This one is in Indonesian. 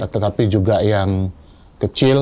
tetapi juga yang kecil